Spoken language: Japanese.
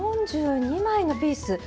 ４２枚のピース。